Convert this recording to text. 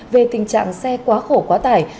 về tình trạng xe quá khổ quá tải